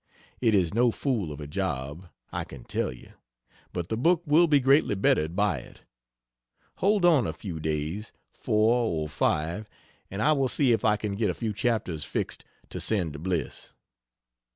It is no fool of a job, I can tell you, but the book will be greatly bettered by it. Hold on a few days four or five and I will see if I can get a few chapters fixed to send to Bliss.